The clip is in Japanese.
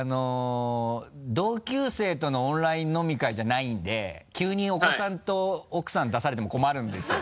同級生とのオンライン飲み会じゃないんで急にお子さんと奥さん出されても困るんですよ。